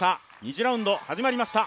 ２次ラウンド、始まりました。